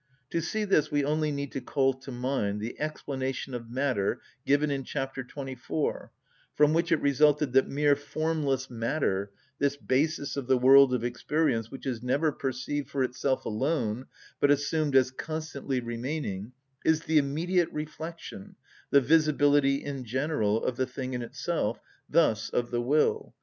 To see this we only need to call to mind the explanation of matter given in chapter 24, from which it resulted that mere formless matter—this basis of the world of experience which is never perceived for itself alone, but assumed as constantly remaining—is the immediate reflection, the visibility in general, of the thing in itself, thus of the will.